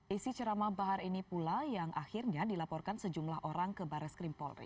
isi ceramah bahar ini pula yang akhirnya dilaporkan sejumlah orang ke baris krim polri